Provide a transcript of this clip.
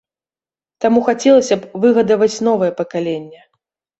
Таму хацелася б выгадаваць новае пакаленне.